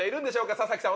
佐々木さん